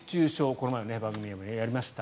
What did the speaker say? この前も番組でもやりました。